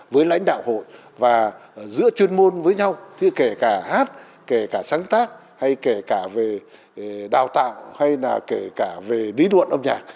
với lãnh đạo hội và giữa chuyên môn với nhau kể cả hát kể cả sáng tác hay kể cả về đào tạo hay là kể cả về lý luận âm nhạc